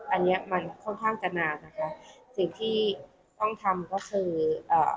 อันนี้มันค่อนข้างจะนานนะคะสิ่งที่ต้องทำก็คืออ่า